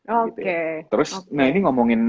terus nah ini ngomongin